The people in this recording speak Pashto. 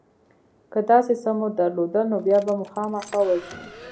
که داسې څه مو درلودل نو بیا به مو خامخا وژني